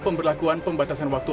pemberlakuan pembatasan waktu